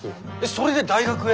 それで大学へ！？